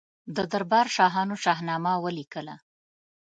د دربار پوهانو شاهنامه ولیکله.